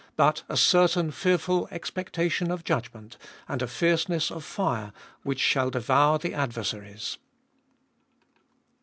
But a certain fearful expectation of judgment, and a fierceness of fire which shall devour the adversaries.